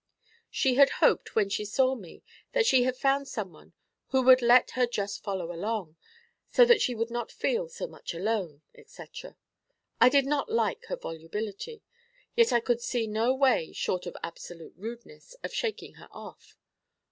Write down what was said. She had hoped, when she saw me, that she had found someone who would let her "just follow along, so that she would not feel so much alone," etc. I did not like her volubility, yet I could see no way, short of absolute rudeness, of shaking her off.